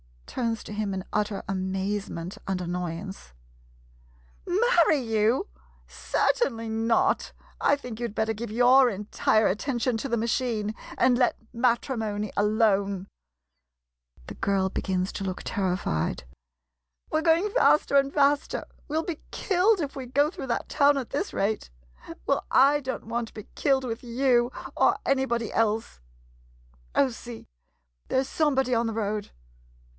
[Turns to him in utter amazement and annoyance.] Marry you ? Certainly not ! I think you 'd better give your entire attention to the ma chine and let matrimony alone. [The girl begins to look terrified.] We 're going faster and faster. We '11 be killed if we go through that town at this rate! Well, / don't want to be killed with you or anybody else ! Oh, see — there 's somebody on the road!